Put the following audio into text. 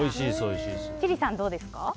千里さん、どうですか？